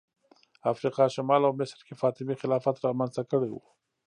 افریقا شمال او مصر کې فاطمي خلافت رامنځته کړی و